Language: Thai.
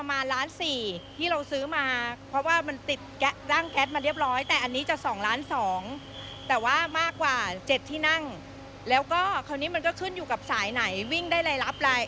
อันนี้๔๐มันจะคุ้มกว่าตรงเราไม่ต้องเปลี่ยนเราก็คือแค่ปรับปรุงให้ได้มาตรฐานใช่ไหมคะ